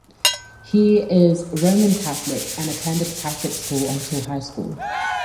He is Roman Catholic and attended Catholic schools until high school.